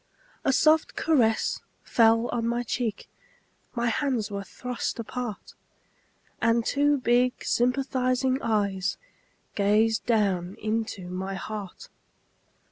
A soft caress fell on my cheek, My hands were thrust apart. And two big sympathizing eyes Gazed down into my heart.